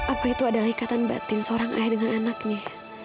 apa itu adalah ikatan batin seorang ayah dengan anaknya